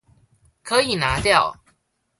可以拿掉